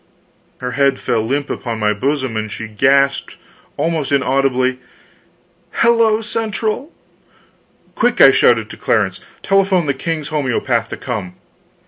Her head fell limp upon my bosom, and she gasped, almost inaudibly: "HELLO CENTRAL!" "Quick!" I shouted to Clarence; "telephone the king's homeopath to come!"